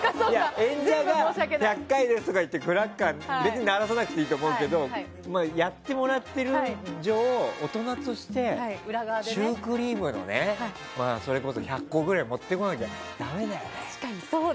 演者が１００回ですとかってクラッカーを別に鳴らさなくていいと思うけどやってもらっている以上大人として、シュークリームとかそれこそ、１００個くらい持ってこなきゃだめだよね。